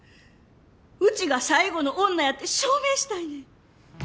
ウチが最後の女やって証明したいねん。